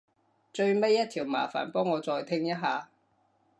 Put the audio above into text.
最尾一條麻煩幫我再聽一下